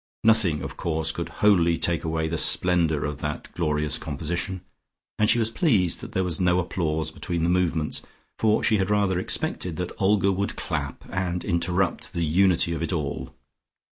Nothing of course could wholly take away the splendour of that glorious composition, and she was pleased that there was no applause between the movements, for she had rather expected that Olga would clap, and interrupt the unity of it all.